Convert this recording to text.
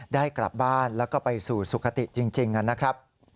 ได้กลับบ้านแล้วก็ไปสู่สุขติจริงนะครับ